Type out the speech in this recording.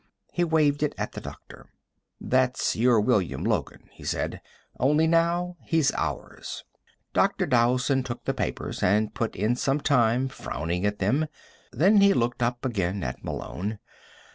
He waved it at the doctor. "That's your William Logan," he said, "only now he's ours." Dr. Dowson took the papers and put in some time frowning at them. Then he looked up again at Malone.